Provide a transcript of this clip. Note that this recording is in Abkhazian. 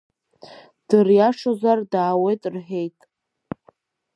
Ддыриашозар даауеит рҳәеит…